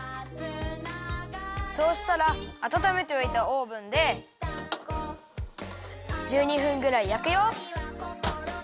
そうしたらあたためておいたオーブンで１２分ぐらいやくよ。